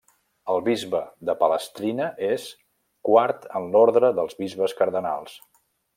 El bisbe de Palestrina és el quart en l'ordre dels bisbes cardenals.